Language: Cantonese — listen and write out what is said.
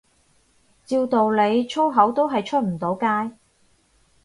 照道理粗口都係出唔到街